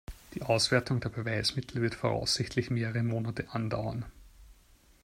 Die Auswertung der Beweismittel wird voraussichtlich mehrere Monate andauern.